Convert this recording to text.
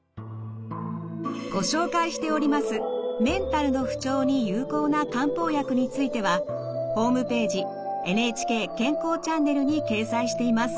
ご紹介しておりますメンタルの不調に有効な漢方薬についてはホームページ「ＮＨＫ健康チャンネル」に掲載しています。